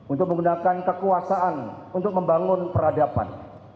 untuk menggunakan kekuasaan untuk membangun peradaban